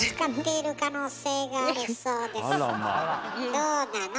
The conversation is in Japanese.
どうなの？